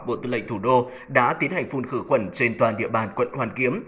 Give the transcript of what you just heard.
bộ tư lệnh thủ đô đã tiến hành phun khử khuẩn trên toàn địa bàn quận hoàn kiếm